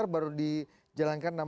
baru dijalankan enam belas km